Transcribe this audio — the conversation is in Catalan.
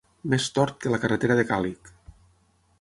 Més tort que la carretera de Càlig.